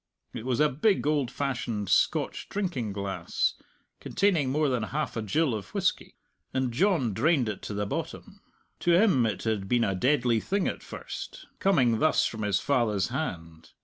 It was a big, old fashioned Scotch drinking glass, containing more than half a gill of whisky, and John drained it to the bottom. To him it had been a deadly thing at first, coming thus from his father's hand.